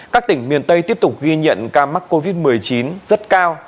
các tỉnh miền tây tiếp tục ghi nhận ca mắc covid một mươi chín rất cao